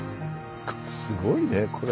これすごいねこれ。